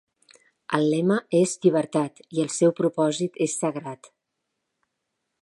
El lema és llibertat i el seu propòsit és sagrat.